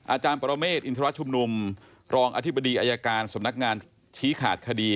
อาจารย์ปรเมฆอินทรชุมนุมรองอธิบดีอายการสำนักงานชี้ขาดคดี